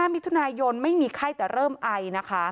๑๔๑๕มิถุนายนไม่มีไข้แต่เริ่มไอ